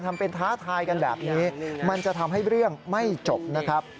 ทำเป็นท้าทายกันแบบนี้มันจะทำให้เรื่องไม่จบนะครับ